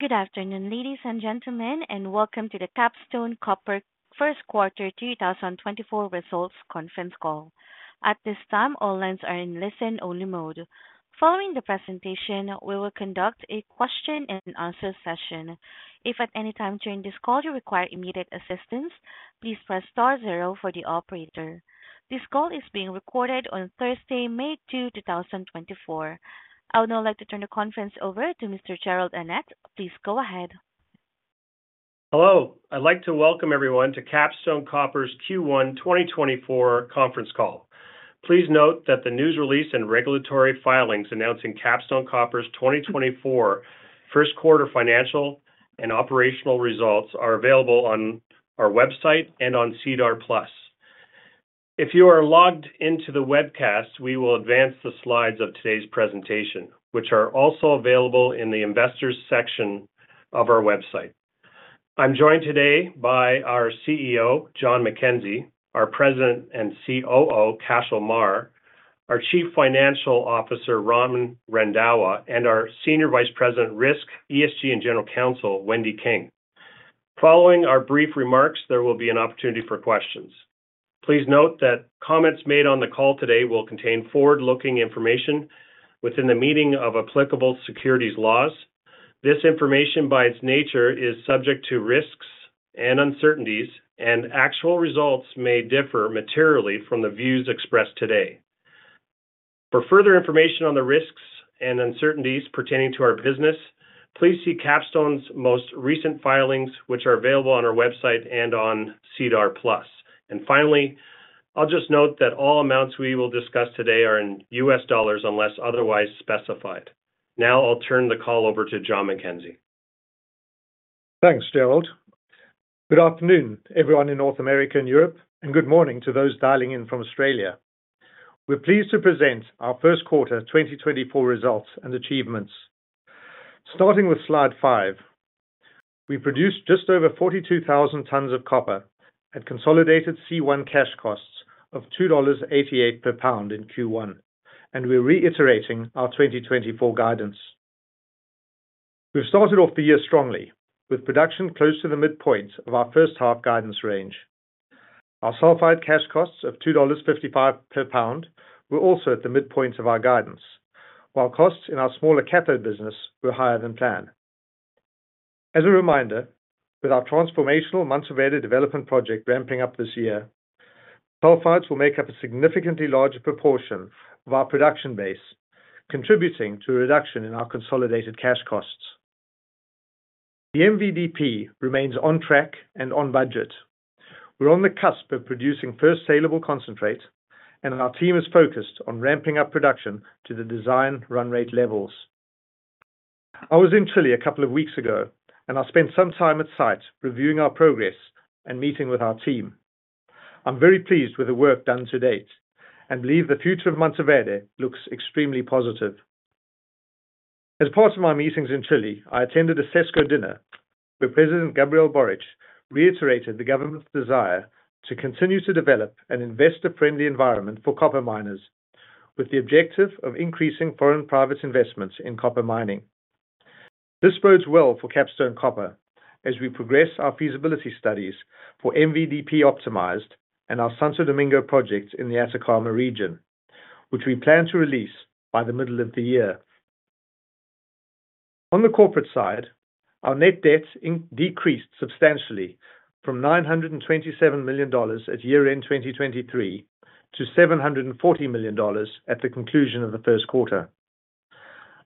Good afternoon, ladies and gentlemen, and welcome to the Capstone Copper first quarter 2024 results conference call. At this time, all lines are in listen-only mode. Following the presentation, we will conduct a question and answer session. If at any time during this call you require immediate assistance, please press star zero for the operator. This call is being recorded on Thursday, May 2, 2024. I would now like to turn the conference over to Mr. Jerrold Annett. Please go ahead. Hello, I'd like to welcome everyone to Capstone Copper's Q1 2024 conference call. Please note that the news release and regulatory filings announcing Capstone Copper's 2024 first quarter financial and operational results are available on our website and on SEDAR+. If you are logged into the webcast, we will advance the slides of today's presentation, which are also available in the investors section of our website. I'm joined today by our CEO, John MacKenzie, our President and COO, Cashel Meagher, our Chief Financial Officer, Raman Randhawa, and our Senior Vice President, Risk, ESG, and General Counsel, Wendy King. Following our brief remarks, there will be an opportunity for questions. Please note that comments made on the call today will contain forward-looking information within the meaning of applicable securities laws. This information, by its nature, is subject to risks and uncertainties, and actual results may differ materially from the views expressed today. For further information on the risks and uncertainties pertaining to our business, please see Capstone's most recent filings, which are available on our website and on SEDAR+. And finally, I'll just note that all amounts we will discuss today are in US dollars, unless otherwise specified. Now I'll turn the call over to John MacKenzie. Thanks, Jerrold. Good afternoon, everyone in North America and Europe, and good morning to those dialing in from Australia. We're pleased to present our first quarter 2024 results and achievements. Starting with slide 5, we produced just over 42,000 tons of copper at consolidated C1 cash costs of $2.88 per pound in Q1, and we're reiterating our 2024 guidance. We've started off the year strongly, with production close to the midpoint of our first half guidance range. Our sulfide cash costs of $2.55 per pound were also at the midpoint of our guidance, while costs in our smaller cathode business were higher than planned. As a reminder, with our transformational Mantoverde development project ramping up this year, sulfides will make up a significantly larger proportion of our production base, contributing to a reduction in our consolidated cash costs. The MVDP remains on track and on budget. We're on the cusp of producing first salable concentrate, and our team is focused on ramping up production to the design run rate levels. I was in Chile a couple of weeks ago, and I spent some time at site reviewing our progress and meeting with our team. I'm very pleased with the work done to date and believe the future of Mantoverde looks extremely positive. As part of my meetings in Chile, I attended a CESCO dinner, where President Gabriel Boric reiterated the government's desire to continue to develop an investor-friendly environment for copper miners, with the objective of increasing foreign private investments in copper mining. This bodes well for Capstone Copper as we progress our feasibility studies for MVDP Optimized and our Santo Domingo project in the Atacama region, which we plan to release by the middle of the year. On the corporate side, our net debt decreased substantially from $927 million at year-end 2023, to $740 million at the conclusion of the first quarter.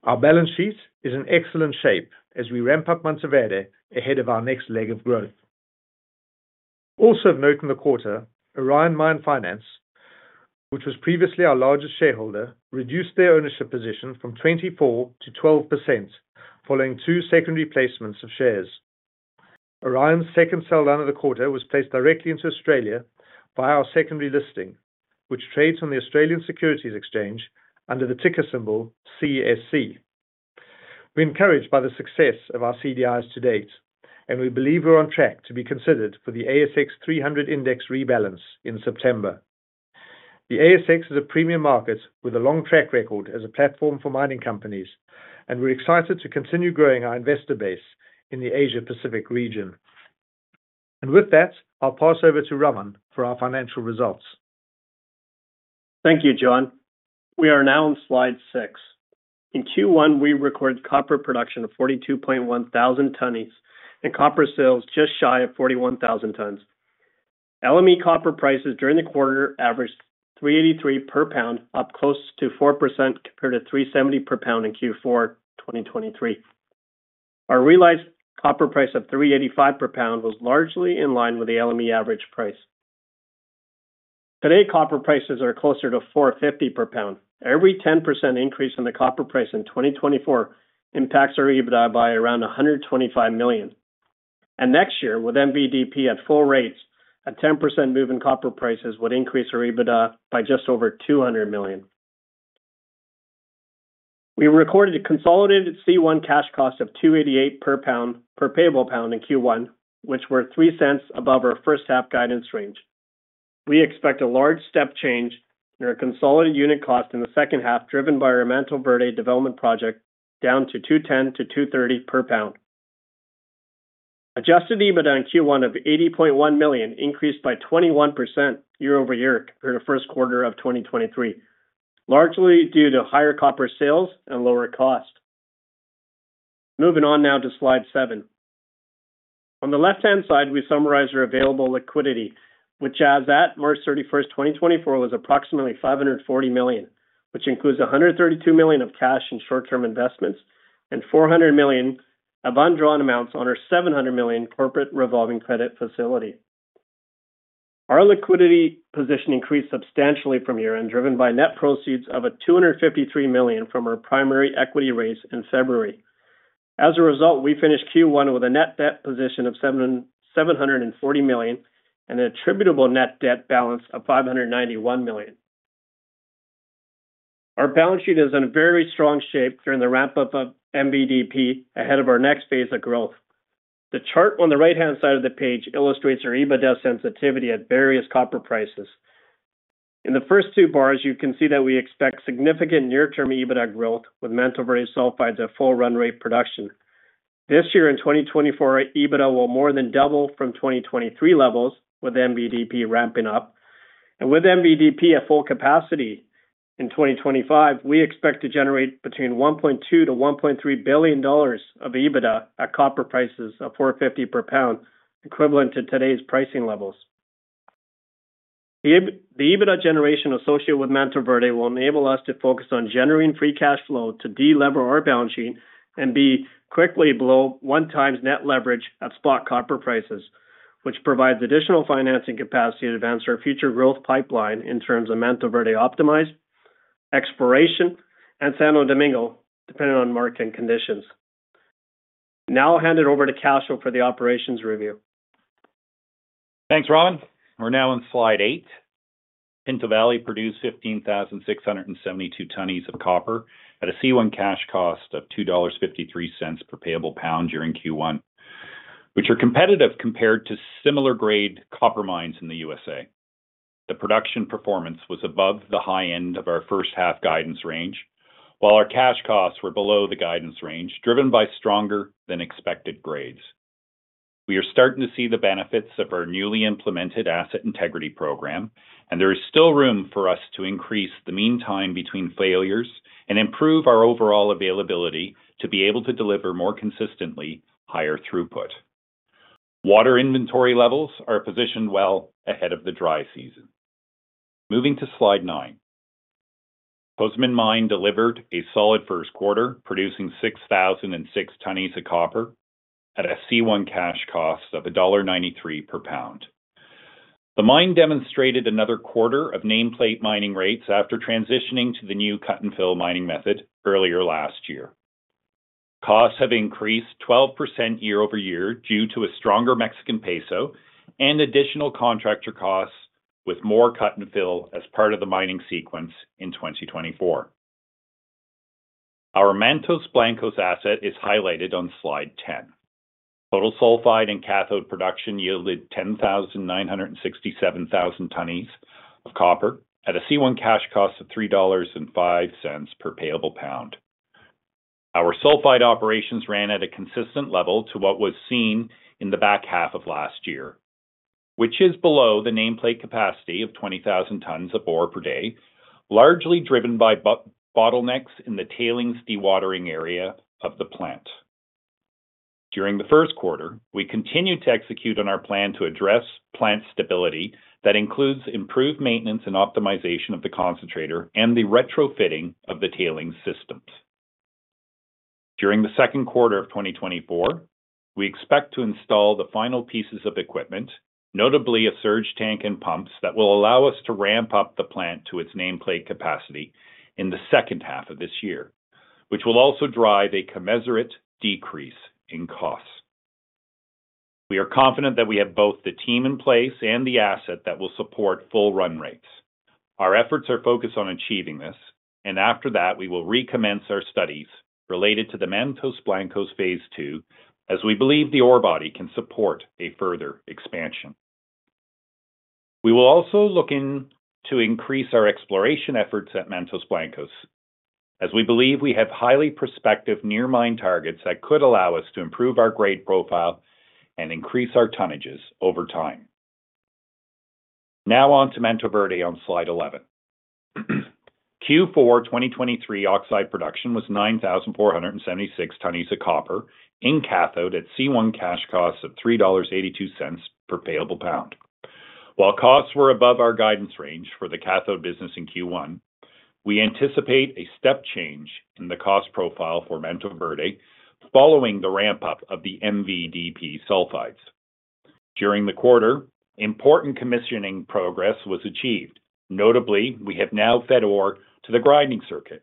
Our balance sheet is in excellent shape as we ramp up Mantoverde ahead of our next leg of growth. Also of note in the quarter, Orion Mine Finance, which was previously our largest shareholder, reduced their ownership position from 24% to 12%, following 2 secondary placements of shares. Orion's second sell down of the quarter was placed directly into Australia by our secondary listing, which trades on the Australian Securities Exchange under the ticker symbol CSC. We're encouraged by the success of our CDIs to date, and we believe we're on track to be considered for the ASX 300 index rebalance in September. The ASX is a premium market with a long track record as a platform for mining companies, and we're excited to continue growing our investor base in the Asia Pacific region. With that, I'll pass over to Raman for our financial results. Thank you, John. We are now on slide 6. In Q1, we recorded copper production of 42.1 thousand tonnes, and copper sales just shy of 41,000 tons. LME copper prices during the quarter averaged $3.83 per pound, up close to 4% compared to $3.70 per pound in Q4 2023. Our realized copper price of $3.85 per pound was largely in line with the LME average price. Today, copper prices are closer to $4.50 per pound. Every 10% increase in the copper price in 2024 impacts our EBITDA by around $125 million. And next year, with MVDP at full rates, a 10% move in copper prices would increase our EBITDA by just over $200 million. We recorded a consolidated C1 cash cost of $2.88 per pound, per payable pound in Q1, which were $0.03 above our first half guidance range. ...We expect a large step change in our consolidated unit cost in the second half, driven by our Mantoverde development project, down to $2.10-$2.30 per pound. Adjusted EBITDA in Q1 of $80.1 million increased by 21% year-over-year for the first quarter of 2023, largely due to higher copper sales and lower cost. Moving on now to slide 7. On the left-hand side, we summarize our available liquidity, which as at March 31, 2024, was approximately $540 million, which includes $132 million of cash and short-term investments, and $400 million of undrawn amounts on our $700 million corporate revolving credit facility. Our liquidity position increased substantially from year-end, driven by net proceeds of $253 million from our primary equity raise in February. As a result, we finished Q1 with a net debt position of $740 million and an attributable net debt balance of $591 million. Our balance sheet is in a very strong shape during the ramp-up of MVDP ahead of our next phase of growth. The chart on the right-hand side of the page illustrates our EBITDA sensitivity at various copper prices. In the first two bars, you can see that we expect significant near-term EBITDA growth with Mantoverde sulfides at full run rate production. This year in 2024, EBITDA will more than double from 2023 levels with MVDP ramping up. With MVDP at full capacity in 2025, we expect to generate between $1.2 billion-$1.3 billion of EBITDA at copper prices of $4.50 per pound, equivalent to today's pricing levels. The EBITDA generation associated with Mantoverde will enable us to focus on generating free cash flow to delever our balance sheet and be quickly below one times net leverage at spot copper prices, which provides additional financing capacity to advance our future growth pipeline in terms of Mantoverde optimized, exploration, and Santo Domingo, depending on market conditions. Now I'll hand it over to Cashel for the operations review. Thanks, Raman. We're now on slide 8. Pinto Valley produced 15,672 tonnes of copper at a C1 cash cost of $2.53 per payable pound during Q1, which are competitive compared to similar grade copper mines in the USA. The production performance was above the high end of our first half guidance range, while our cash costs were below the guidance range, driven by stronger than expected grades. We are starting to see the benefits of our newly implemented asset integrity program, and there is still room for us to increase the mean time between failures and improve our overall availability to be able to deliver more consistently higher throughput. Water inventory levels are positioned well ahead of the dry season. Moving to slide 9. Cozamin mine delivered a solid first quarter, producing 6,006 tonnes of copper at a C1 cash cost of $1.93 per pound. The mine demonstrated another quarter of nameplate mining rates after transitioning to the new cut and fill mining method earlier last year. Costs have increased 12% year-over-year due to a stronger Mexican peso and additional contractor costs, with more cut and fill as part of the mining sequence in 2024. Our Mantos Blancos asset is highlighted on slide 10. Total sulfide and cathode production yielded 10,967 tonnes of copper at a C1 cash cost of $3.05 per payable pound. Our sulfide operations ran at a consistent level to what was seen in the back half of last year, which is below the nameplate capacity of 20,000 tons of ore per day, largely driven by bottlenecks in the tailings dewatering area of the plant. During the first quarter, we continued to execute on our plan to address plant stability. That includes improved maintenance and optimization of the concentrator and the retrofitting of the tailings systems. During the second quarter of 2024, we expect to install the final pieces of equipment, notably a surge tank and pumps, that will allow us to ramp up the plant to its nameplate capacity in the second half of this year, which will also drive a commensurate decrease in costs. We are confident that we have both the team in place and the asset that will support full run rates. Our efforts are focused on achieving this, and after that, we will recommence our studies related to the Mantos Blancos Phase Two, as we believe the ore body can support a further expansion. We will also be looking to increase our exploration efforts at Mantos Blancos, as we believe we have highly prospective near-mine targets that could allow us to improve our grade profile and increase our tonnages over time. Now on to Mantoverde on slide 11. Q4 2023 oxide production was 9,476 tonnes of copper in cathode at C1 cash costs of $3.82 per payable pound. While costs were above our guidance range for the cathode business in Q1, we anticipate a step change in the cost profile for Mantoverde following the ramp-up of the MVDP sulfides. During the quarter, important commissioning progress was achieved. Notably, we have now fed ore to the grinding circuit.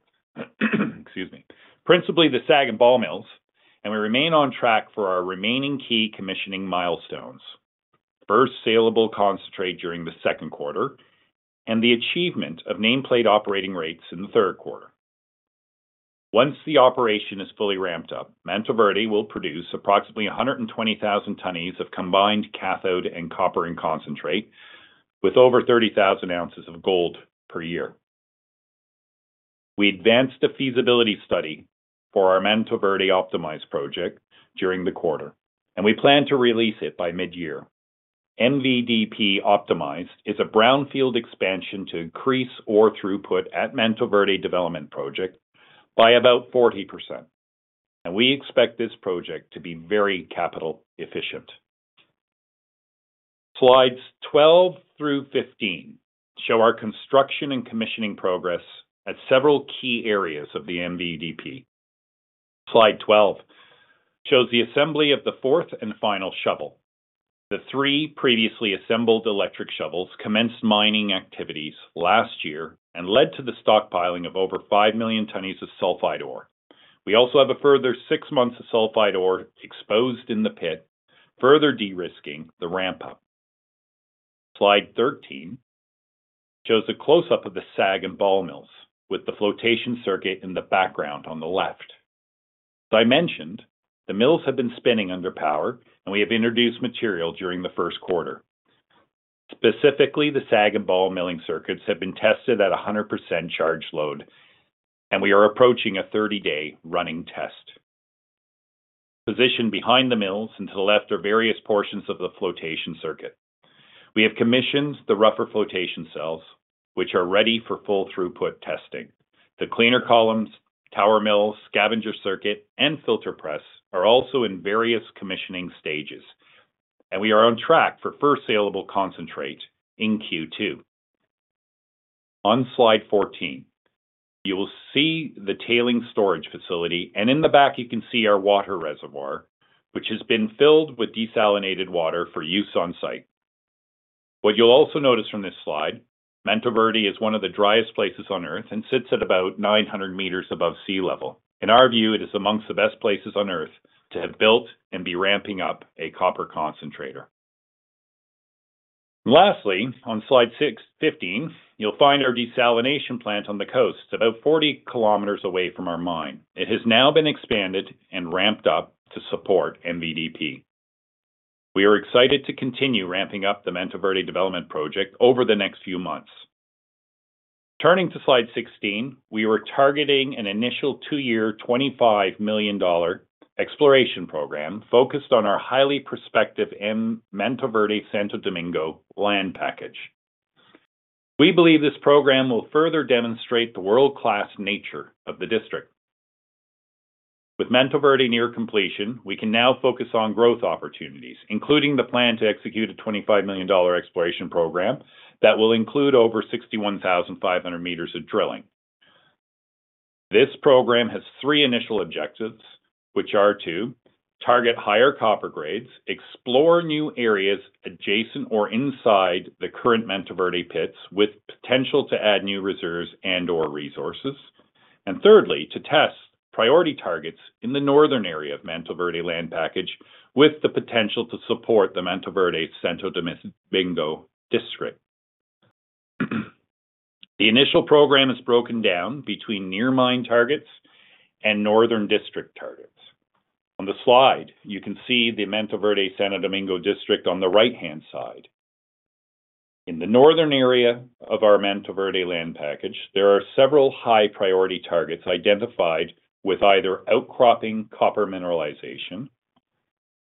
Excuse me. Principally, the SAG and ball mills, and we remain on track for our remaining key commissioning milestones. First, salable concentrate during the second quarter, and the achievement of nameplate operating rates in the third quarter. Once the operation is fully ramped up, Mantoverde will produce approximately 120,000 tonnes of combined cathode and copper and concentrate, with over 30,000 ounces of gold per year. We advanced a feasibility study for our Mantoverde Optimized Project during the quarter, and we plan to release it by mid-year. MVDP Optimized is a brownfield expansion to increase ore throughput at Mantoverde Development Project by about 40%, and we expect this project to be very capital efficient. Slides 12 through 15 show our construction and commissioning progress at several key areas of the MVDP. Slide 12 shows the assembly of the fourth and final shovel. The 3 previously assembled electric shovels commenced mining activities last year and led to the stockpiling of over 5 million tons of sulfide ore. We also have a further 6 months of sulfide ore exposed in the pit, further de-risking the ramp-up. Slide 13 shows a close-up of the SAG and ball mills, with the flotation circuit in the background on the left. As I mentioned, the mills have been spinning under power, and we have introduced material during the first quarter. Specifically, the SAG and ball milling circuits have been tested at 100% charge load, and we are approaching a 30-day running test. Positioned behind the mills and to the left are various portions of the flotation circuit. We have commissioned the rougher flotation cells, which are ready for full throughput testing. The cleaner columns, tower mills, scavenger circuit, and filter press are also in various commissioning stages, and we are on track for first saleable concentrate in Q2. On slide 14, you will see the tailing storage facility, and in the back, you can see our water reservoir, which has been filled with desalinated water for use on-site. What you'll also notice from this slide, Mantoverde is one of the driest places on Earth and sits at about 900 meters above sea level. In our view, it is amongst the best places on Earth to have built and be ramping up a copper concentrator. Lastly, on slide fifteen, you'll find our desalination plant on the coast, about 40 kilometers away from our mine. It has now been expanded and ramped up to support MVDP. We are excited to continue ramping up the Mantoverde Development Project over the next few months. Turning to slide 16, we were targeting an initial 2-year, $25 million exploration program focused on our highly prospective Mantoverde Santo Domingo land package. We believe this program will further demonstrate the world-class nature of the district. With Mantoverde near completion, we can now focus on growth opportunities, including the plan to execute a $25 million exploration program that will include over 61,500 meters of drilling. This program has three initial objectives, which are to target higher copper grades, explore new areas adjacent or inside the current Mantoverde pits with potential to add new reserves and/or resources, and thirdly, to test priority targets in the northern area of Mantoverde land package, with the potential to support the Mantoverde Santo Domingo district. The initial program is broken down between near mine targets and northern district targets. On the slide, you can see the Mantoverde Santo Domingo District on the right-hand side. In the northern area of our Mantoverde land package, there are several high-priority targets identified with either outcropping copper mineralization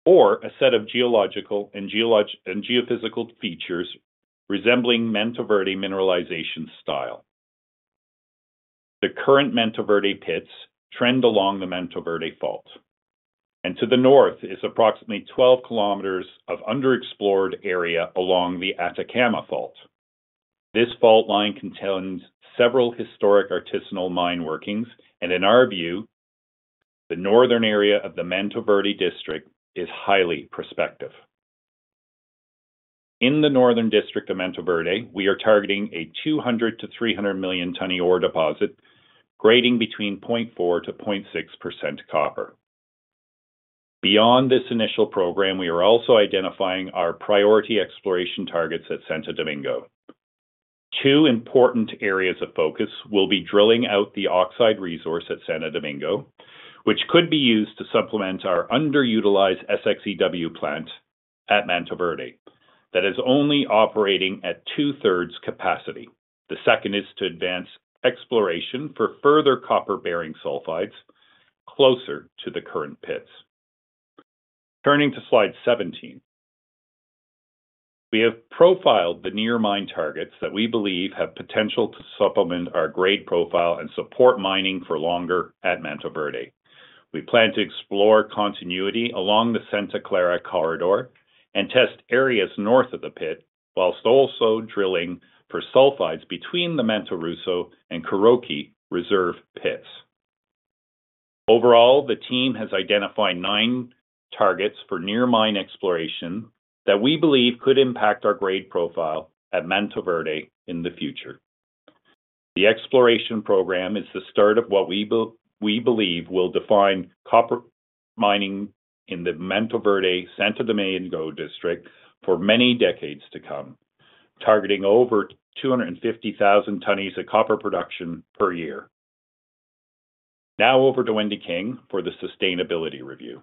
or a set of geological and geophysical features resembling Mantoverde mineralization style. The current Mantoverde pits trend along the Mantoverde fault, and to the north is approximately 12 kilometers of underexplored area along the Atacama Fault. This fault line contains several historic artisanal mine workings, and in our view, the northern area of the Mantoverde district is highly prospective. In the northern district of Mantoverde, we are targeting a 200-300 million tonne ore deposit, grading between 0.4%-0.6% copper. Beyond this initial program, we are also identifying our priority exploration targets at Santo Domingo. Two important areas of focus will be drilling out the oxide resource at Santo Domingo, which could be used to supplement our underutilized SXEW plant at Mantoverde that is only operating at two-thirds capacity. The second is to advance exploration for further copper-bearing sulfides closer to the current pits. Turning to slide 17. We have profiled the near mine targets that we believe have potential to supplement our grade profile and support mining for longer at Mantoverde. We plan to explore continuity along the Santa Clara Corridor and test areas north of the pit, while also drilling for sulfides between the Manto Ruso and Kuroki reserve pits. Overall, the team has identified nine targets for near mine exploration that we believe could impact our grade profile at Mantoverde in the future. The exploration program is the start of what we believe will define copper mining in the Mantoverde Santo Domingo District for many decades to come, targeting over 250,000 tons of copper production per year. Now over to Wendy King for the sustainability review.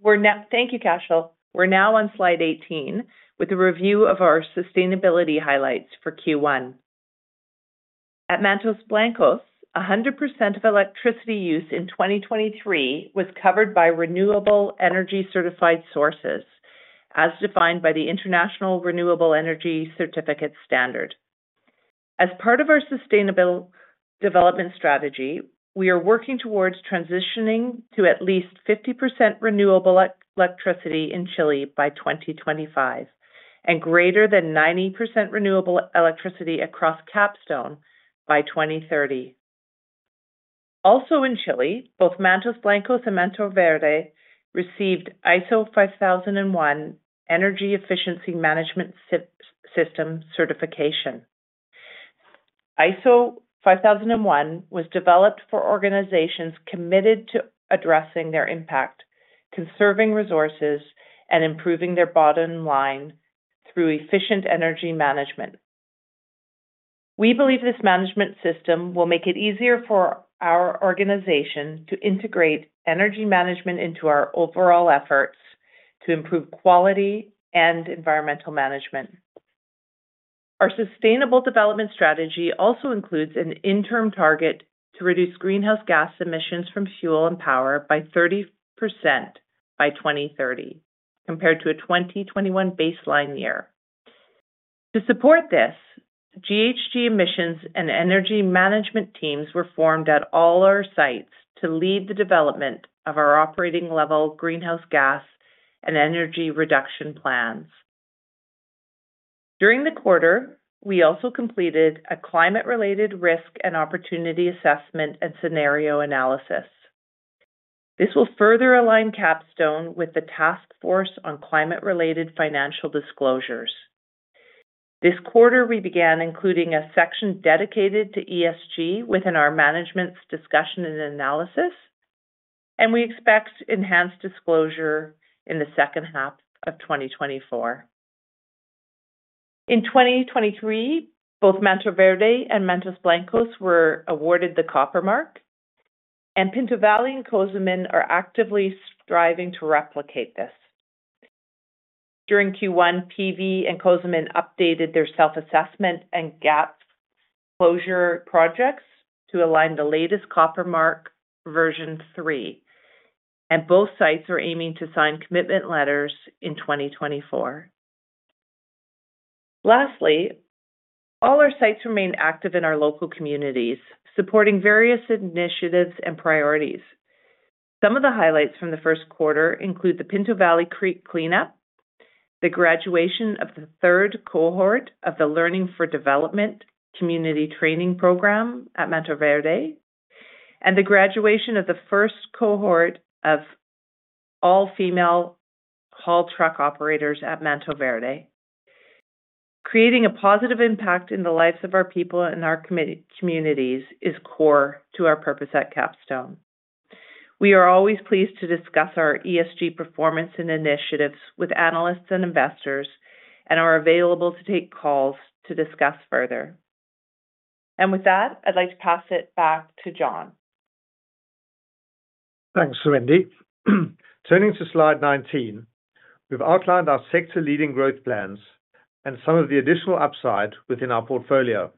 We're now. Thank you, Cashel. We're now on slide 18, with a review of our sustainability highlights for Q1. At Mantos Blancos, 100% of electricity use in 2023 was covered by renewable energy certified sources, as defined by the International Renewable Energy Certificate Standard. As part of our sustainable development strategy, we are working towards transitioning to at least 50% renewable electricity in Chile by 2025, and greater than 90% renewable electricity across Capstone by 2030. Also in Chile, both Mantos Blancos and Mantoverde received ISO 50001 Energy Efficiency Management System certification. ISO 50001 was developed for organizations committed to addressing their impact, conserving resources, and improving their bottom line through efficient energy management. We believe this management system will make it easier for our organization to integrate energy management into our overall efforts to improve quality and environmental management. Our sustainable development strategy also includes an interim target to reduce greenhouse gas emissions from fuel and power by 30% by 2030, compared to a 2021 baseline year. To support this, GHG emissions and energy management teams were formed at all our sites to lead the development of our operating level greenhouse gas and energy reduction plans. During the quarter, we also completed a climate-related risk and opportunity assessment and scenario analysis. This will further align Capstone with the Task Force on Climate-related Financial Disclosures. This quarter, we began including a section dedicated to ESG within our Management's Discussion and Analysis, and we expect enhanced disclosure in the second half of 2024. In 2023, both Mantoverde and Mantos Blancos were awarded the Copper Mark, and Pinto Valley and Cozamin are actively striving to replicate this. During Q1, PV and Cozamin updated their self-assessment and gap closure projects to align the latest Copper Mark version 3, and both sites are aiming to sign commitment letters in 2024. Lastly, all our sites remain active in our local communities, supporting various initiatives and priorities. Some of the highlights from the first quarter include the Pinto Valley Creek cleanup, the graduation of the third cohort of the Learning for Development community training program at Mantoverde, and the graduation of the first cohort of all-female haul truck operators at Mantoverde. Creating a positive impact in the lives of our people and our communities is core to our purpose at Capstone. We are always pleased to discuss our ESG performance and initiatives with analysts and investors, and are available to take calls to discuss further. With that, I'd like to pass it back to John. Thanks, Wendy. Turning to slide 19, we've outlined our sector-leading growth plans and some of the additional upside within our portfolio.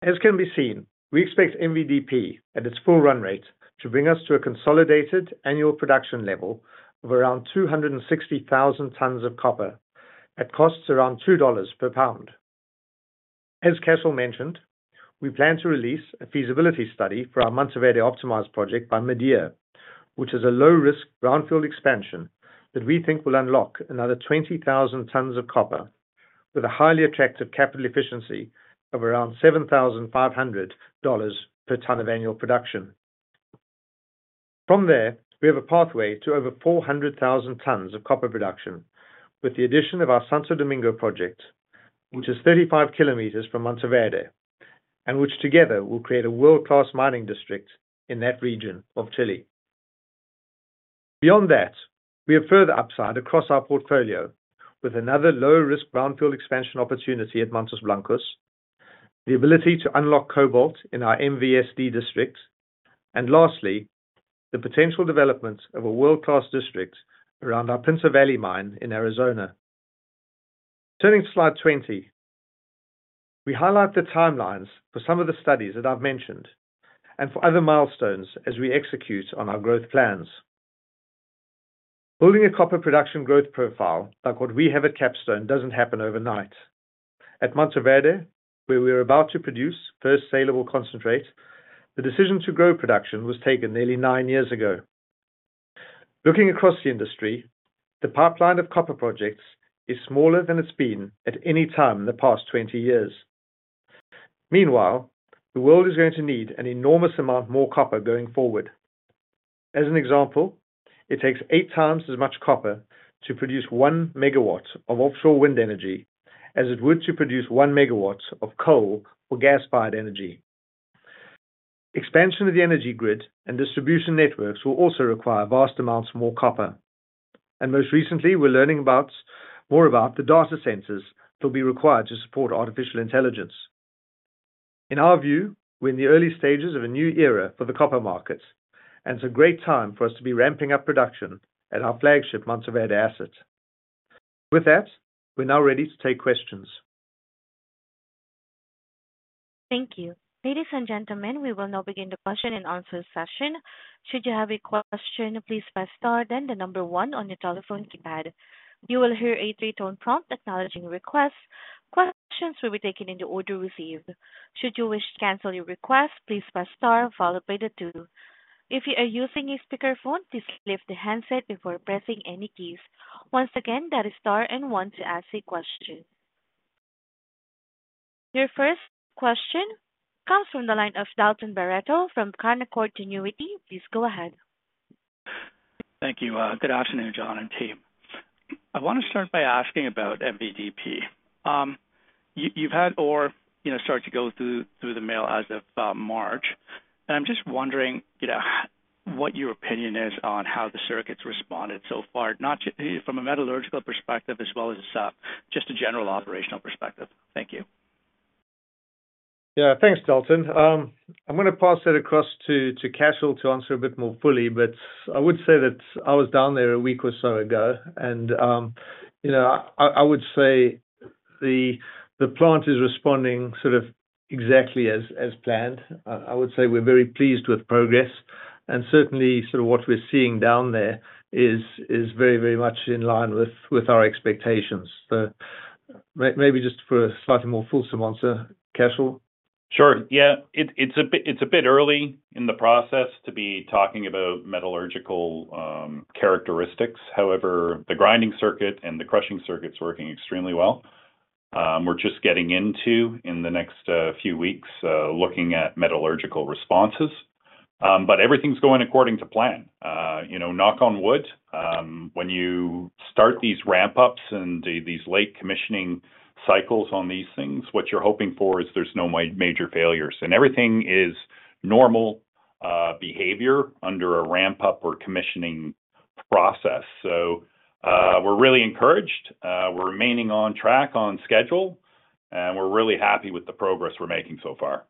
As can be seen, we expect MVDP, at its full run rate, to bring us to a consolidated annual production level of around 260,000 tonnes of copper at costs around $2 per pound. As Cashel mentioned, we plan to release a feasibility study for our Mantoverde optimized project by midyear, which is a low-risk brownfield expansion that we think will unlock another 20,000 tonnes of copper with a highly attractive capital efficiency of around $7,500 per tonne of annual production. From there, we have a pathway to over 400,000 tonnes of copper production, with the addition of our Santo Domingo project, which is 35 kilometers from Mantoverde, and which together will create a world-class mining district in that region of Chile. Beyond that, we have further upside across our portfolio with another low-risk brownfield expansion opportunity at Mantos Blancos, the ability to unlock cobalt in our MVSD districts, and lastly, the potential development of a world-class district around our Pinto Valley mine in Arizona. Turning to slide 20, we highlight the timelines for some of the studies that I've mentioned and for other milestones as we execute on our growth plans. Building a copper production growth profile like what we have at Capstone doesn't happen overnight. At Mantoverde, where we are about to produce first saleable concentrate, the decision to grow production was taken nearly 9 years ago. Looking across the industry, the pipeline of copper projects is smaller than it's been at any time in the past 20 years. Meanwhile, the world is going to need an enormous amount more copper going forward. As an example, it takes eight times as much copper to produce one megawatt of offshore wind energy as it would to produce one megawatt of coal or gas-fired energy. Expansion of the energy grid and distribution networks will also require vast amounts more copper. And most recently, we're learning about, more about the data centers that will be required to support artificial intelligence. In our view, we're in the early stages of a new era for the copper market, and it's a great time for us to be ramping up production at our flagship Mantoverde assets. With that, we're now ready to take questions. Thank you. Ladies and gentlemen, we will now begin the question and answer session. Should you have a question, please press star then the number one on your telephone keypad. You will hear a three-tone prompt acknowledging your request. Questions will be taken in the order received. Should you wish to cancel your request, please press star followed by the two. If you are using a speakerphone, please lift the handset before pressing any keys. Once again, that is star and one to ask a question. Your first question comes from the line of Dalton Baretto from Canaccord Genuity. Please go ahead. Thank you. Good afternoon, John and team. I want to start by asking about MVDP. You've had ore, you know, start to go through the mill as of March. I'm just wondering, you know, what your opinion is on how the circuit's responded so far, not just from a metallurgical perspective, as well as just a general operational perspective. Thank you. Yeah. Thanks, Dalton. I'm gonna pass it across to Cashel to answer a bit more fully, but I would say that I was down there a week or so ago, and you know, I would say the plant is responding sort of exactly as planned. I would say we're very pleased with progress, and certainly sort of what we're seeing down there is very, very much in line with our expectations. So maybe just for a slightly more fulsome answer, Cashel? Sure. Yeah. It's a bit early in the process to be talking about metallurgical characteristics. However, the grinding circuit and the crushing circuit is working extremely well. We're just getting into, in the next few weeks, looking at metallurgical responses. But everything's going according to plan. You know, knock on wood, when you start these ramp-ups and these late commissioning cycles on these things, what you're hoping for is there's no major failures. And everything is normal behavior under a ramp-up or commissioning process. So, we're really encouraged. We're remaining on track, on schedule, and we're really happy with the progress we're making so far.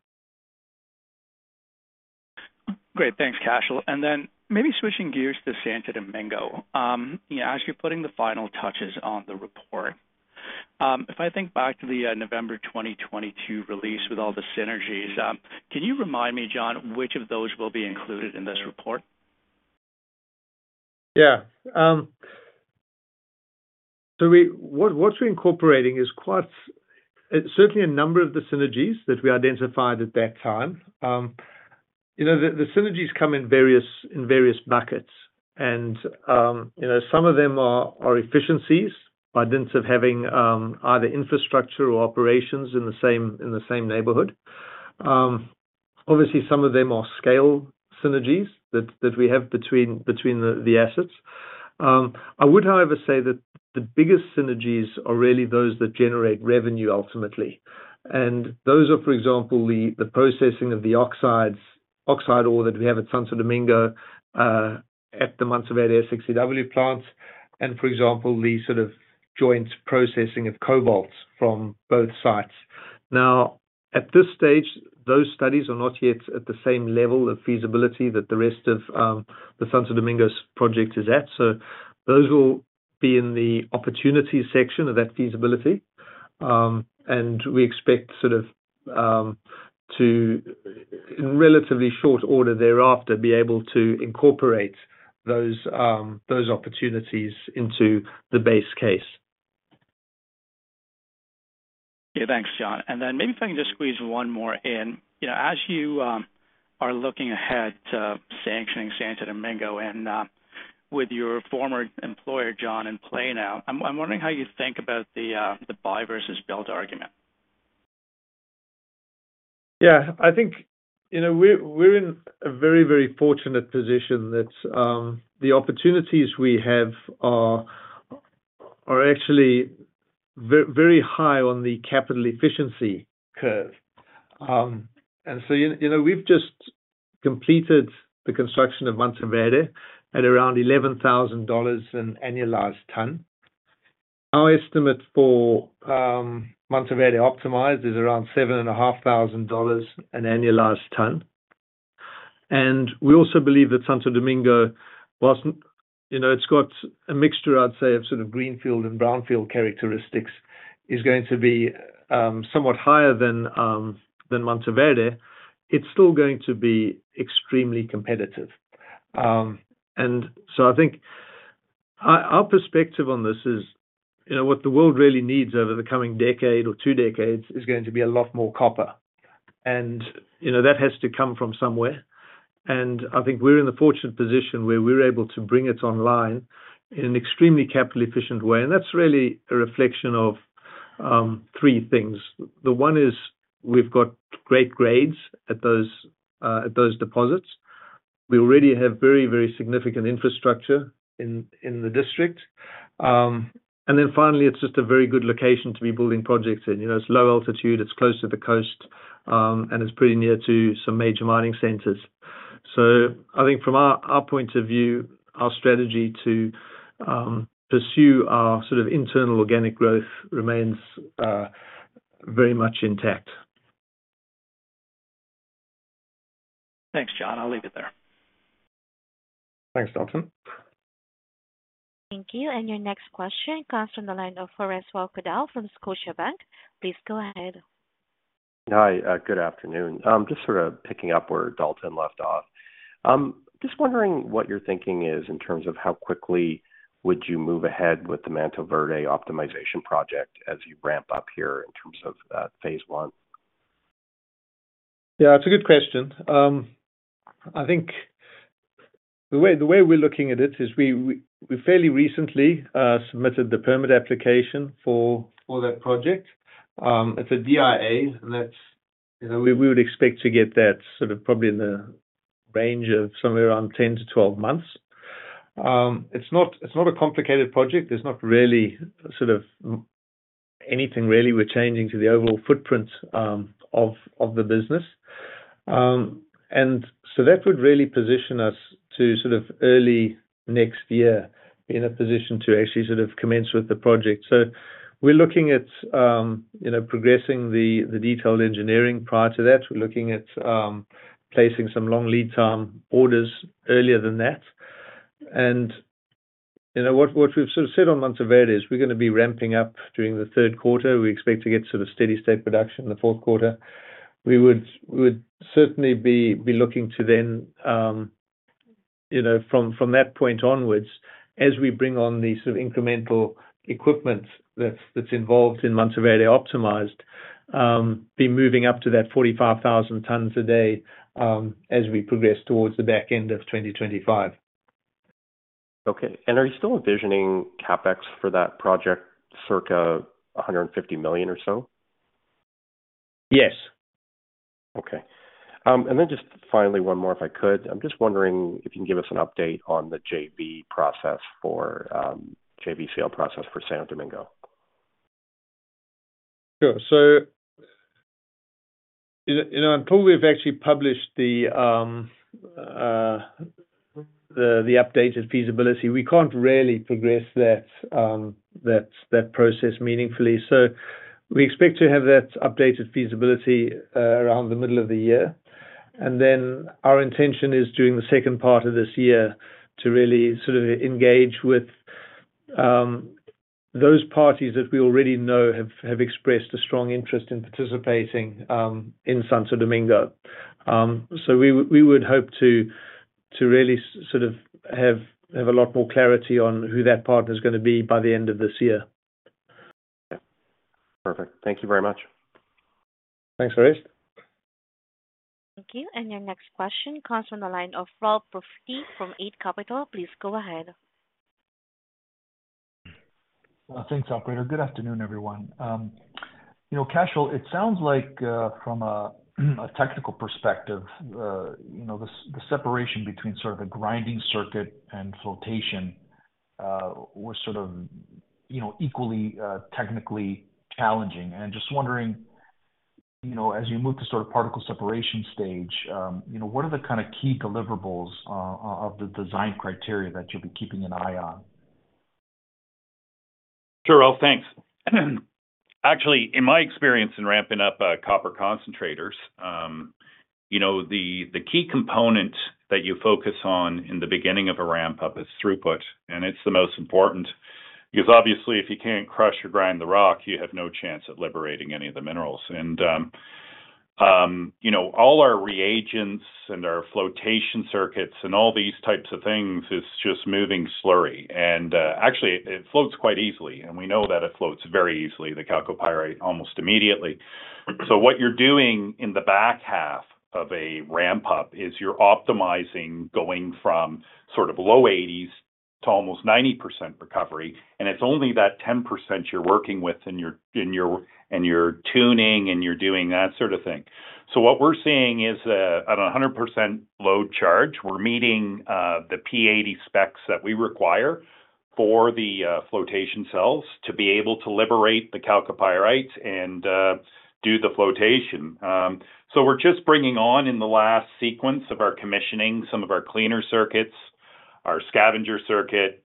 Great. Thanks, Cashel. And then maybe switching gears to Santo Domingo. You know, as you're putting the final touches on the report, if I think back to the November 2022 release with all the synergies, can you remind me, John, which of those will be included in this report? Yeah. So what we're incorporating is quite certainly a number of the synergies that we identified at that time. You know, the synergies come in various buckets, and you know, some of them are efficiencies by dint of having either infrastructure or operations in the same neighborhood. Obviously, some of them are scale synergies that we have between the assets. I would, however, say that the biggest synergies are really those that generate revenue ultimately. And those are, for example, the processing of the oxide ore that we have at Santo Domingo at the Mantos SXEW plants, and for example, the sort of joint processing of cobalt from both sites. Now, at this stage, those studies are not yet at the same level of feasibility that the rest of the Santo Domingo's project is at, so those will be in the opportunity section of that feasibility. And we expect sort of to, in relatively short order thereafter, be able to incorporate those, those opportunities into the base case. Yeah. Thanks, John. And then maybe if I can just squeeze one more in. You know, as you are looking ahead to sanctioning Santo Domingo and, with your former employer, John, in play now, I'm wondering how you think about the buy versus build argument. Yeah. I think, you know, we're, we're in a very, very fortunate position that the opportunities we have are, are actually very high on the capital efficiency curve. And so, you, you know, we've just completed the construction of Mantoverde at around $11,000 per annualized ton. Our estimate for Mantoverde optimized is around $7,500 per annualized ton. And we also believe that Santo Domingo, whilst, you know, it's got a mixture, I'd say, of sort of greenfield and brownfield characteristics, is going to be somewhat higher than than Mantoverde, it's still going to be extremely competitive. And so I think our, our perspective on this is, you know, what the world really needs over the coming decade or two decades is going to be a lot more copper. And, you know, that has to come from somewhere. I think we're in the fortunate position where we're able to bring it online in an extremely capital efficient way. That's really a reflection of three things. The one is we've got great grades at those deposits. We already have very, very significant infrastructure in the district. And then finally, it's just a very good location to be building projects in. You know, it's low altitude, it's close to the coast, and it's pretty near to some major mining centers. So I think from our point of view, our strategy to pursue our sort of internal organic growth remains very much intact. Thanks, John. I'll leave it there. Thanks, Dalton. Thank you. Your next question comes from the line of Foster Waddell from Scotiabank. Please go ahead. Hi, good afternoon. Just sort of picking up where Dalton left off. Just wondering what your thinking is in terms of how quickly would you move ahead with the Mantoverde optimization project as you ramp up here in terms of, phase one? Yeah, it's a good question. I think the way we're looking at it is we fairly recently submitted the permit application for that project. It's a DIA, and that's, you know, we would expect to get that sort of probably in the range of somewhere around 10-12 months. It's not a complicated project. There's not really sort of anything really we're changing to the overall footprint of the business. And so that would really position us to sort of early next year be in a position to actually sort of commence with the project. So we're looking at, you know, progressing the detailed engineering prior to that. We're looking at placing some long lead time orders earlier than that. You know, what we've sort of said on Mantoverde is we're gonna be ramping up during the third quarter. We expect to get sort of steady state production in the fourth quarter. We would certainly be looking to then, you know, from that point onwards, as we bring on the sort of incremental equipment that's involved in Mantoverde optimized, be moving up to that 45,000 tons a day, as we progress towards the back end of 2025. Okay. Are you still envisioning CapEx for that project, circa $150 million or so? Yes. Okay. And then just finally, one more, if I could. I'm just wondering if you can give us an update on the JV process for, JV sale process for Santo Domingo? Sure. So, you know, until we've actually published the updated feasibility, we can't really progress that process meaningfully. So we expect to have that updated feasibility around the middle of the year. And then our intention is during the second part of this year, to really sort of engage with those parties that we already know have expressed a strong interest in participating in Santo Domingo. So we would hope to really sort of have a lot more clarity on who that partner is gonna be by the end of this year. Yeah. Perfect. Thank you very much. Thanks, Forrest. Thank you. And your next question comes from the line of Ralph Profiti from Eight Capital. Please go ahead. Thanks, operator. Good afternoon, everyone. You know, Cashel, it sounds like from a technical perspective, you know, the separation between sort of a grinding circuit and flotation was sort of, you know, equally technically challenging. And just wondering, you know, as you move to sort of particle separation stage, you know, what are the kind of key deliverables of the design criteria that you'll be keeping an eye on? Sure, Ralph, thanks. Actually, in my experience in ramping up copper concentrators, you know, the key component that you focus on in the beginning of a ramp-up is throughput, and it's the most important. Because obviously, if you can't crush or grind the rock, you have no chance at liberating any of the minerals. And you know, all our reagents and our flotation circuits and all these types of things is just moving slurry. And actually, it floats quite easily, and we know that it floats very easily, the chalcopyrite, almost immediately. So what you're doing in the back half of a ramp-up is you're optimizing, going from sort of low 80s to almost 90% recovery, and it's only that 10% you're working with, and you're tuning, and you're doing that sort of thing. So what we're seeing is, at 100% load charge, we're meeting the P80 specs that we require for the flotation cells to be able to liberate the chalcopyrite and do the flotation. So we're just bringing on, in the last sequence of our commissioning, some of our cleaner circuits, our scavenger circuit,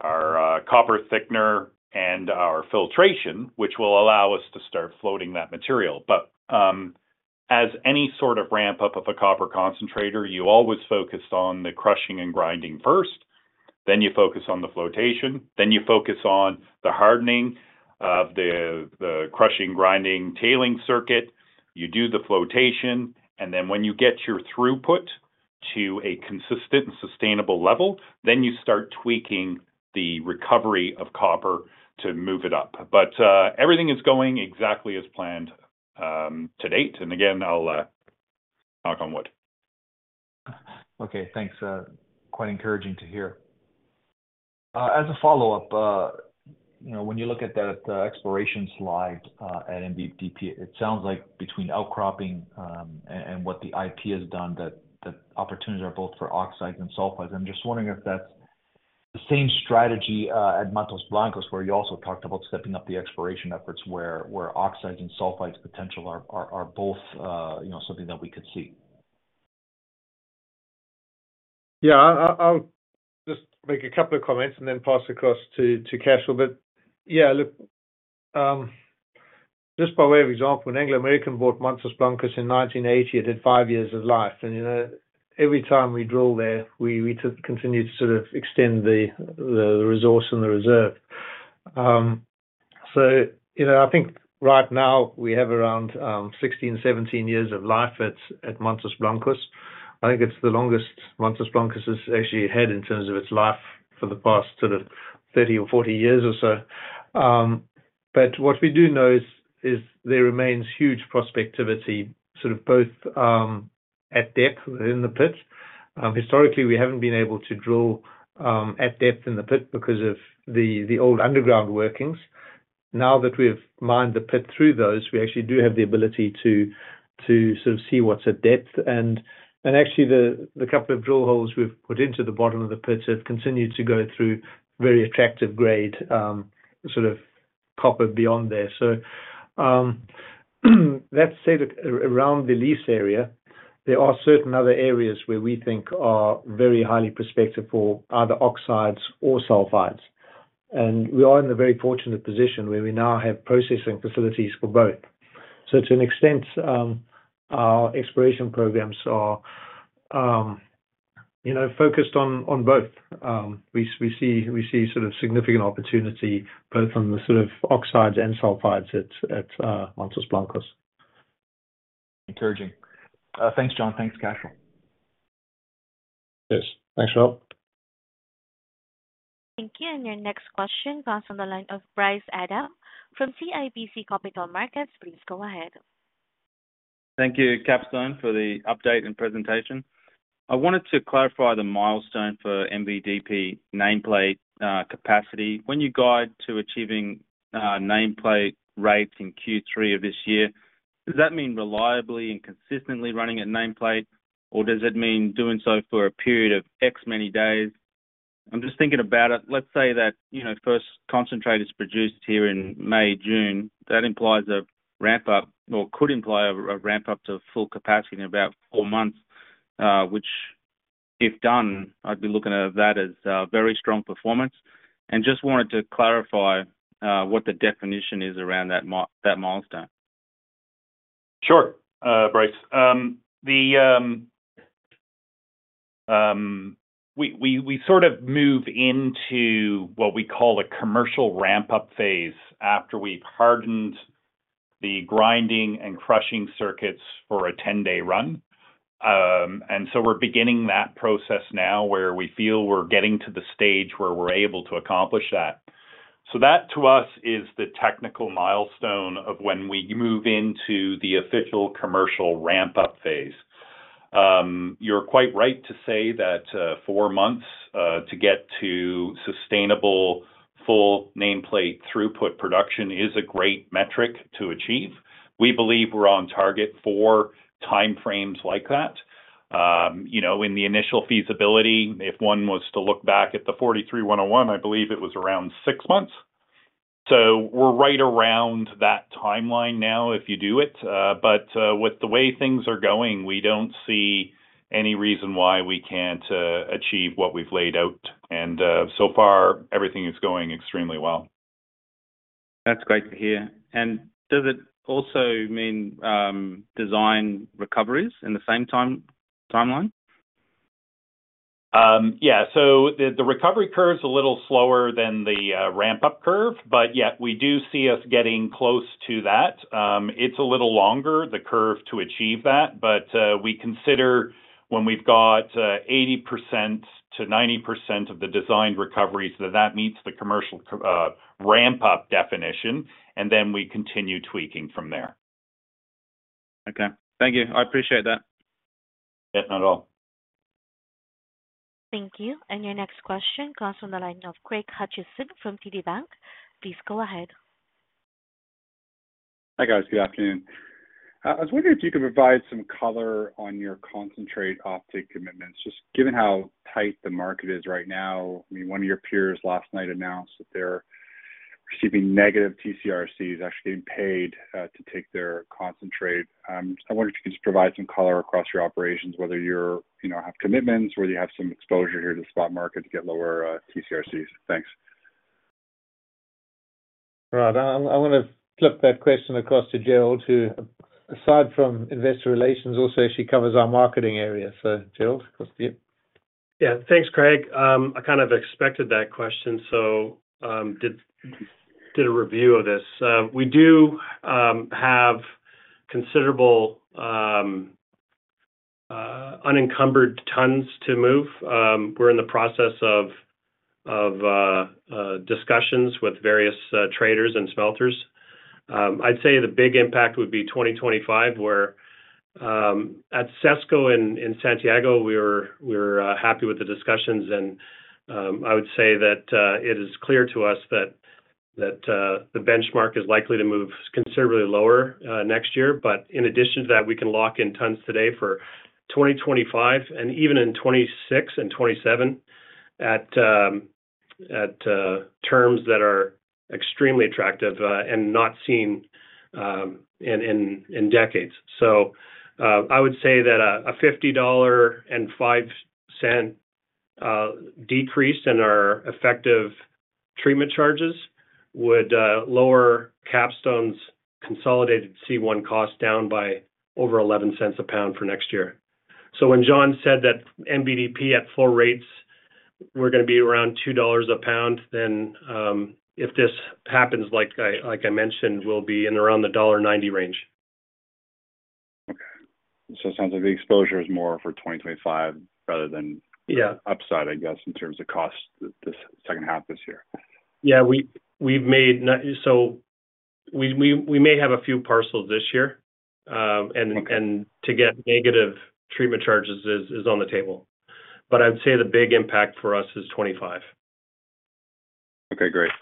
our copper thickener, and our filtration, which will allow us to start floating that material. But as any sort of ramp-up of a copper concentrator, you always focus on the crushing and grinding first, then you focus on the flotation, then you focus on the hardening of the crushing, grinding, tailing circuit. You do the flotation, and then when you get your throughput to a consistent and sustainable level, then you start tweaking the recovery of copper to move it up. But, everything is going exactly as planned, to date. And again, I'll knock on wood. Okay, thanks. Quite encouraging to hear. As a follow-up, you know, when you look at that, the exploration slide at MVDP, it sounds like between outcropping and what the IP has done, that the opportunities are both for oxides and sulfides. I'm just wondering if that's the same strategy at Mantos Blancos, where you also talked about stepping up the exploration efforts, where oxides and sulfides potential are both, you know, something that we could see? Yeah. I'll just make a couple of comments and then pass across to Cashel. But yeah, look, just by way of example, when Anglo American bought Mantos Blancos in 1980, it had 5 years of life. And, you know, every time we drill there, we just continue to sort of extend the resource and the reserve. So, you know, I think right now we have around 16, 17 years of life at Mantos Blancos. I think it's the longest Mantos Blancos has actually had in terms of its life for the past sort of 30 or 40 years or so. But what we do know is there remains huge prospectivity, sort of both at depth within the pit. Historically, we haven't been able to drill at depth in the pit because of the old underground workings. Now that we've mined the pit through those, we actually do have the ability to sort of see what's at depth. And actually, the couple of drill holes we've put into the bottom of the pits have continued to go through very attractive grade sort of copper beyond there. So, that said, around the lease area, there are certain other areas where we think are very highly prospective for either oxides or sulfides. And we are in a very fortunate position where we now have processing facilities for both. So to an extent, our exploration programs are, you know, focused on both. We see sort of significant opportunity both on the sort of oxides and sulfides at Mantos Blancos. Encouraging. Thanks, John. Thanks, Cashel. Yes. Thanks, Rob. Thank you. Your next question comes from the line of Bryce Adams from CIBC Capital Markets. Please go ahead. Thank you, Capstone, for the update and presentation. I wanted to clarify the milestone for MVDP nameplate capacity. When you guide to achieving nameplate rates in Q3 of this year, does that mean reliably and consistently running at nameplate, or does it mean doing so for a period of X many days? I'm just thinking about it. Let's say that, you know, first concentrate is produced here in May, June. That implies a ramp-up or could imply a ramp-up to full capacity in about four months, which, if done, I'd be looking at that as very strong performance. Just wanted to clarify what the definition is around that milestone. Sure, Bryce. We sort of move into what we call a commercial ramp-up phase after we've hardened the grinding and crushing circuits for a 10-day run. And so we're beginning that process now, where we feel we're getting to the stage where we're able to accomplish that. So that, to us, is the technical milestone of when we move into the official commercial ramp-up phase. You're quite right to say that four months to get to sustainable, full nameplate throughput production is a great metric to achieve. We believe we're on target for timeframes like that. You know, in the initial feasibility, if one was to look back at the 43-101, I believe it was around six months. So we're right around that timeline now, if you do it. But, with the way things are going, we don't see any reason why we can't achieve what we've laid out, and so far, everything is going extremely well. That's great to hear. Does it also mean design recoveries in the same timeline? Yeah. So the recovery curve is a little slower than the ramp-up curve, but yet we do see us getting close to that. It's a little longer, the curve, to achieve that, but we consider when we've got 80%-90% of the designed recoveries, that that meets the commercial ramp-up definition, and then we continue tweaking from there. Okay. Thank you. I appreciate that. Yes, not at all. Thank you. And your next question comes from the line of Craig Hutchison from TD Bank. Please go ahead. Hi, guys. Good afternoon. I was wondering if you could provide some color on your concentrate off-take commitments, just given how tight the market is right now. I mean, one of your peers last night announced that they're receiving negative TCRCs, actually getting paid to take their concentrate. I wondered if you could just provide some color across your operations, whether you're, you know, have commitments or whether you have some exposure here to the spot market to get lower TCRCs. Thanks. Right. I, I wanna flip that question across to Gerald, who, aside from investor relations, also she covers our marketing area. So Gerald, across to you. Yeah. Thanks, Greg. I kind of expected that question, so, did a review of this. We do have considerable unencumbered tons to move. We're in the process of discussions with various traders and smelters. I'd say the big impact would be 2025, where, at CESCO in Santiago, we're happy with the discussions, and I would say that it is clear to us that the benchmark is likely to move considerably lower next year. But in addition to that, we can lock in tons today for 2025, and even in 2026 and 2027, at terms that are extremely attractive, and not seen in decades. I would say that a $50.05 decrease in our effective treatment charges would lower Capstone's consolidated C1 cost down by over $0.11 a pound for next year. So when John said that MVDP at full rates were gonna be around $2 a pound, then, if this happens, like I, like I mentioned, we'll be in around the $1.90 range. Okay. It sounds like the exposure is more for 2025 rather than- Yeah - upside, I guess, in terms of cost this second half this year. Yeah, so we may have a few parcels this year, and- Okay... and to get negative treatment charges is on the table. But I'd say the big impact for us is $25. Okay, great.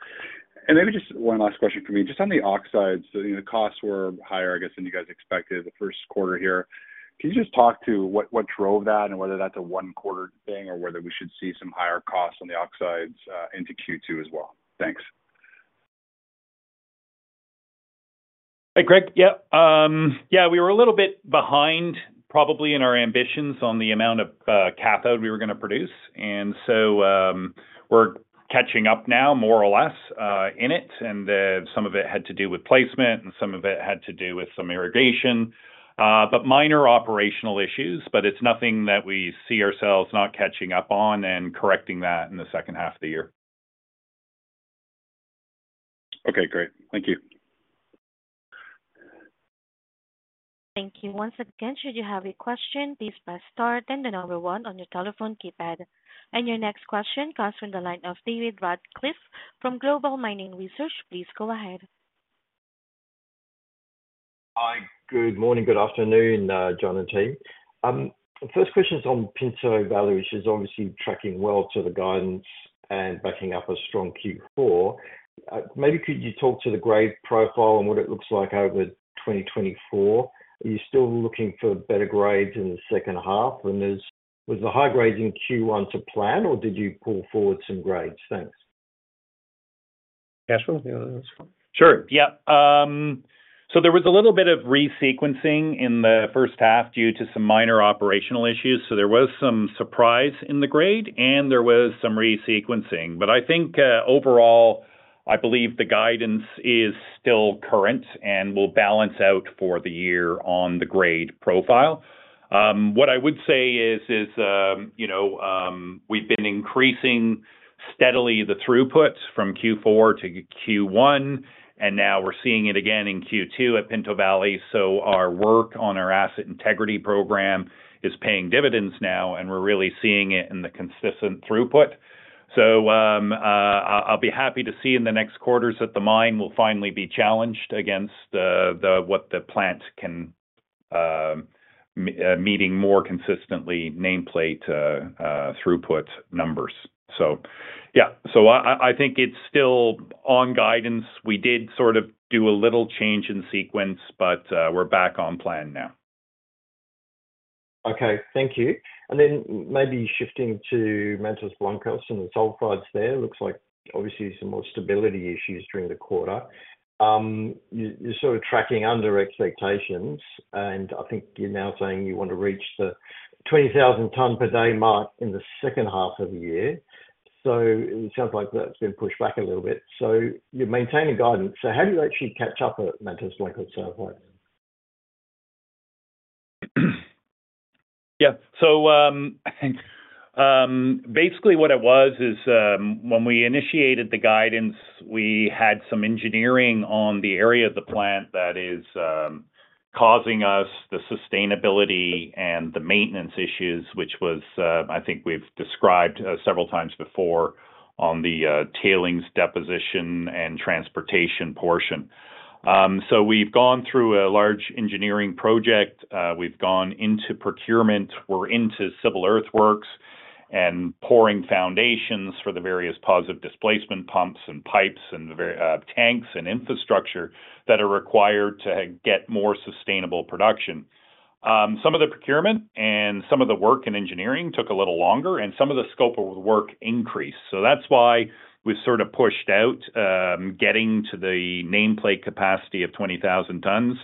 And maybe just one last question for me. Just on the oxides, the costs were higher, I guess, than you guys expected the first quarter here. Can you just talk to what, what drove that and whether that's a one-quarter thing or whether we should see some higher costs on the oxides into Q2 as well? Thanks. Hey, Greg. Yep. Yeah, we were a little bit behind, probably in our ambitions on the amount of cathode we were gonna produce, and so, we're catching up now, more or less, in it. And, some of it had to do with placement, and some of it had to do with some irrigation, but minor operational issues, but it's nothing that we see ourselves not catching up on and correcting that in the second half of the year. Okay, great. Thank you. Thank you. Once again, should you have a question, please press star, then the number one on your telephone keypad. And your next question comes from the line of David Radclyffe from Global Mining Research. Please go ahead. Hi, good morning, good afternoon, John and team. The first question is on Pinto Valley, which is obviously tracking well to the guidance and backing up a strong Q4. Maybe could you talk to the grade profile and what it looks like over 2024? Are you still looking for better grades in the second half, and was the high grades in Q1 to plan, or did you pull forward some grades? Thanks. Sure. Yeah. So there was a little bit of resequencing in the first half due to some minor operational issues, so there was some surprise in the grade, and there was some resequencing. But I think, overall, I believe the guidance is still current and will balance out for the year on the grade profile. What I would say is, you know, we've been increasing steadily the throughput from Q4 to Q1, and now we're seeing it again in Q2 at Pinto Valley. So our work on our asset integrity program is paying dividends now, and we're really seeing it in the consistent throughput. So, I'll be happy to see in the next quarters that the mine will finally be challenged against what the plant can meeting more consistently nameplate throughput numbers. So, yeah, so I think it's still on guidance. We did sort of do a little change in sequence, but we're back on plan now. Okay, thank you. Then maybe shifting to Mantos Blancos and the sulfides there. Looks like obviously some more stability issues during the quarter. You, you're sort of tracking under expectations, and I think you're now saying you want to reach the 20,000 ton per day mark in the second half of the year. So it sounds like that's been pushed back a little bit. So you're maintaining guidance. So how do you actually catch up at Mantos Blancos sulfide? Yeah. So, basically what it was is, when we initiated the guidance, we had some engineering on the area of the plant that is causing us the sustainability and the maintenance issues, which was, I think we've described several times before on the tailings deposition and transportation portion. So we've gone through a large engineering project, we've gone into procurement. We're into civil earthworks and pouring foundations for the various positive displacement pumps and pipes and the tanks and infrastructure that are required to get more sustainable production. Some of the procurement and some of the work in engineering took a little longer, and some of the scope of work increased. So that's why we've sort of pushed out getting to the nameplate capacity of 20,000 tons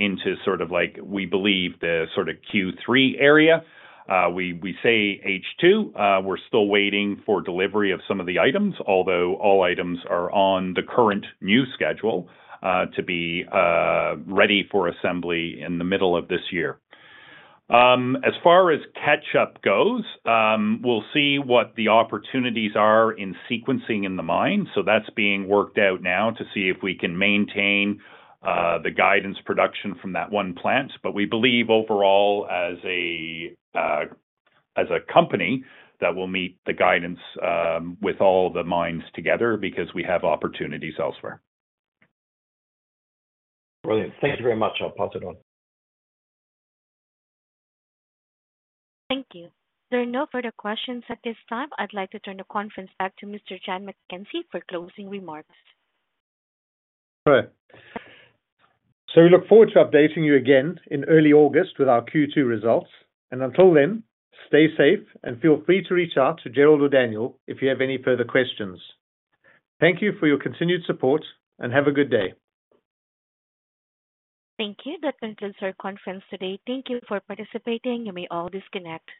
into sort of like, we believe, the sort of Q3 area. We say H2, we're still waiting for delivery of some of the items, although all items are on the current new schedule to be ready for assembly in the middle of this year. As far as catch-up goes, we'll see what the opportunities are in sequencing in the mine, so that's being worked out now to see if we can maintain the guidance production from that one plant. But we believe overall as a company that we'll meet the guidance with all the mines together because we have opportunities elsewhere. Brilliant. Thank you very much. I'll pass it on. Thank you. There are no further questions at this time. I'd like to turn the conference back to Mr. John MacKenzie for closing remarks. All right. So we look forward to updating you again in early August with our Q2 results, and until then, stay safe and feel free to reach out to Gerald or Daniel if you have any further questions. Thank you for your continued support, and have a good day. Thank you. That concludes our conference today. Thank you for participating. You may all disconnect.